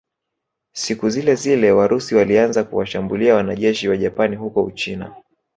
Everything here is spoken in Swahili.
Siku zilezile Warusi walianza kuwashambulia wanajeshi Wajapani huko Uchina